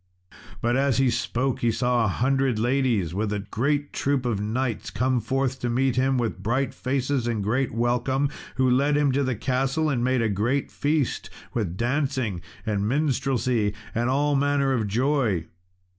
But as he spoke he saw a hundred ladies with a great troop of knights come forth to meet him, with bright faces and great welcome, who led him to the castle and made a great feast, with dancing and minstrelsy and all manner of joy.